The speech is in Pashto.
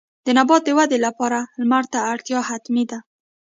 د نبات د ودې لپاره لمر ته اړتیا حتمي ده.